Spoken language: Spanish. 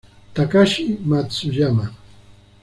Takashi Matsuyama